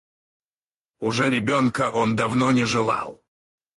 Уже ребенка он давно не желал.